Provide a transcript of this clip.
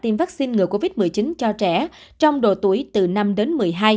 tiêm vaccine ngừa covid một mươi chín cho trẻ trong độ tuổi từ năm đến một mươi hai